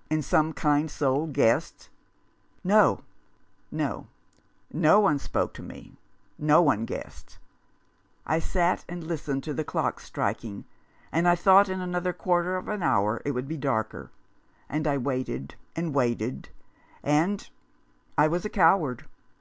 " And some kind soul guessed ?"" No, no ; no one spoke to me, no one guessed. I sat and listened to the clocks striking, and I thought in another quarter of an hour it would be darker, and I waited and waited — and — I was a coward.